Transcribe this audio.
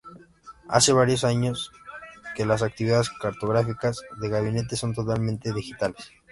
Hace varios años que las actividades cartográficas de gabinete son totalmente digitales.